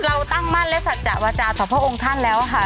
เราตั้งมั่นและสัจจะวาจาต่อพระองค์ท่านแล้วค่ะ